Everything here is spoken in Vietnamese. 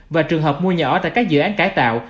và trường hợp mua nhà ở tại các dự án cải tạo